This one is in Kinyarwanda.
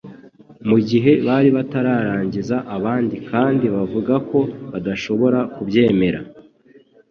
Mu gihe bari batararangiza abandi kandi bavuga ko badashobora kubyemera,